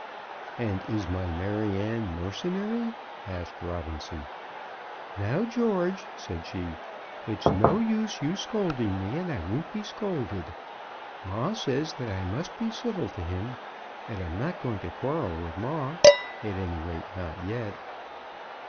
"And is my Maryanne mercenary?" asked Robinson. "Now, George," said she, "it's no use you scolding me, and I won't be scolded. Ma says that I must be civil to him, and I'm not going to quarrel with ma. At any rate not yet."